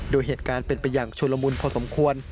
โดยเหตุการณ์เป็นไปอย่างชุลมุนพอสมควร